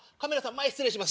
前失礼します。